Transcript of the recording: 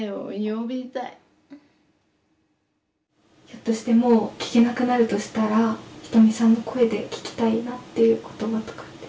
ひょっとしてもう聞けなくなるとしたら仁美さんの声で聞きたいなっていう言葉とかって？